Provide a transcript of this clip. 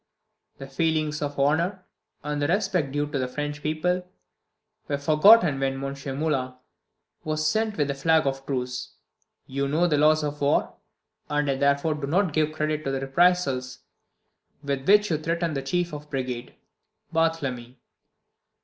The feelings of honour, and the respect due to the French people, were forgotten when M. Moulin was sent with a flag of truce. You know the laws of war, and I therefore do not give credit to the reprisals with which you threaten the chief of brigade, Barthelemy.